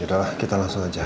yaudah lah kita langsung aja